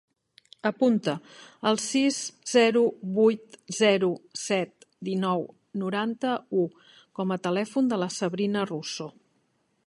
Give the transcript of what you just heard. Apunta el sis, zero, vuit, zero, set, dinou, noranta-u com a telèfon de la Sabrina Russo.